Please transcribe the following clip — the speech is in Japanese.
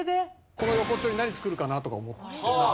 この横っちょに何造るかなとか思って。